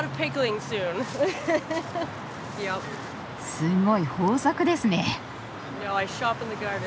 すごい豊作ですね！